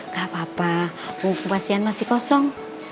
gak apa apa pasien masih kosong